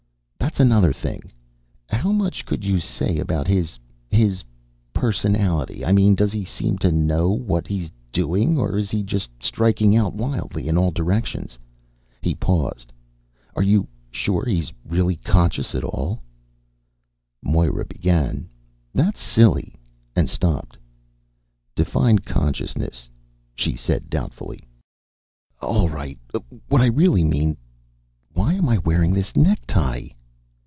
"That's another thing. How much could you say about his his personality? I mean does he seem to know what he's doing, or is he just striking out wildly in all directions?" He paused. "Are you sure he's really conscious at all?" Moira began, "That's a silly " and stopped. "Define consciousness," she said doubtfully. "All right, what I really mean why am I wearing this necktie?"